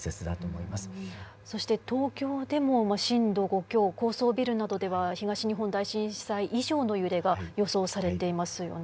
そして東京でも震度５強高層ビルなどでは東日本大震災以上の揺れが予想されていますよね。